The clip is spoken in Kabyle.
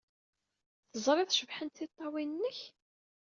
Teẓriḍ cebḥent tiṭṭawin-nnek?